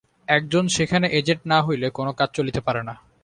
একজন সেখানে এজেণ্ট না হইলে কোন কাজ চলিতে পারে না।